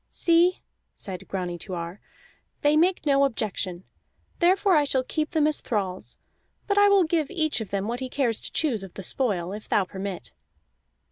"See," said Grani to Ar, "they make no objection; therefore I shall keep them as thralls. But I will give each of them what he cares to choose of the spoil, if thou permit."